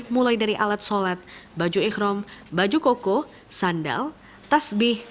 mulai dari alat sholat baju ikhrom baju koko sandal tasbih